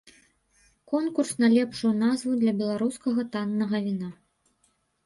Конкурс на лепшую назву для беларускага таннага віна!